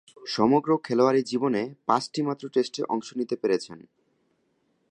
সমগ্র খেলোয়াড়ী জীবনে পাঁচটিমাত্র টেস্টে অংশ নিতে পেরেছেন।